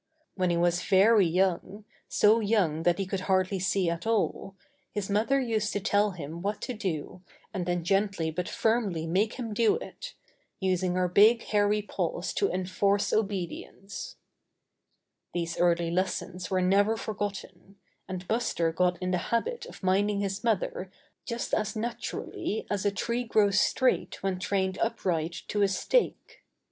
When he was very young, so young that he could hardly see at all, his mother used to tell him what to do and then gently but firmly make him do it, using her big hairy paws to enforce obedience. When Buster Was a Cub 11 These early lessons were never forgotten, and Buster got in the habit of minding his mother just as naturally as a tree grows straight when trained upright to a stake.